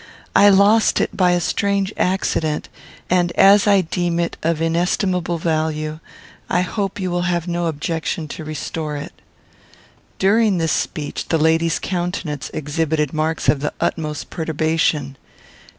I lost it by a strange accident, and, as I deem it of inestimable value, I hope you will have no objection to restore it." During this speech the lady's countenance exhibited marks of the utmost perturbation.